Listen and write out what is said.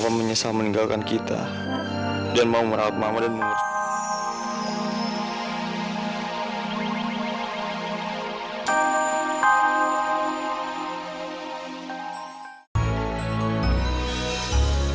menyesal meninggalkan kita dan mau merawat mau dan mengurus